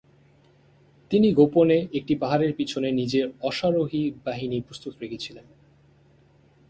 তিনি গোপনে একটি পাহাড়ের পিছনে নিজের অশ্বারোহী বাহিনী প্রস্তুত রেখেছিলেন।